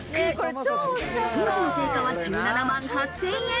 当時の定価は１７万８０００円。